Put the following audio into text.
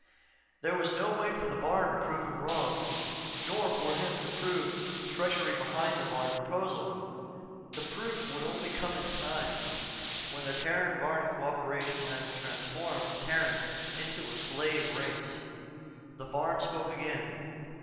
_" There was no way for the Varn to prove him wrong, nor for him to prove the treachery behind the Varn proposal. The proof would come only with time, when the Terran Varn co operation had transformed Terrans into a slave race. The Varn spoke again.